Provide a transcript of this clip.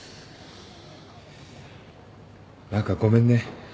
何かごめんね。